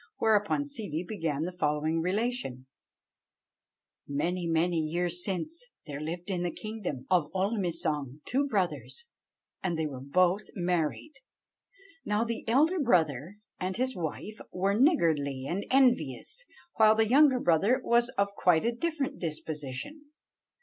Whereupon Ssidi began the following relation: "Many, many years since, there lived in the kingdom of Olmilsong two brothers, and they were both married. Now the elder brother and his wife were niggardly and envious, while the younger brother was of quite a different disposition.